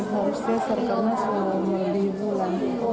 harusnya serkan selama lebih bulan